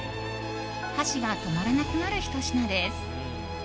箸が止まらなくなるひと品です。